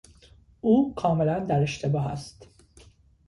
او کاملا در اشتباه است.